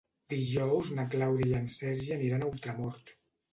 Dijous na Clàudia i en Sergi aniran a Ultramort.